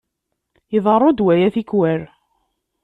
Iḍerru-d waya tikkwal.